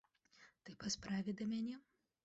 Ты па справе да мяне?